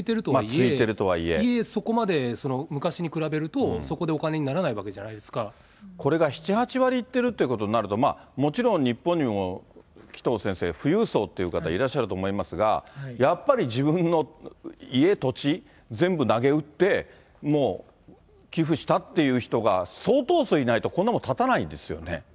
続いているとはいえ、昔に比べると、そこでお金にならないわこれが７、８割いってるということになると、もちろん日本にも紀藤先生、富裕層っていう方はいらっしゃると思いますが、やっぱり自分の家、土地、全部なげうって、もう寄付したっていう人が相当数いないと、こんなもの建たないですよね。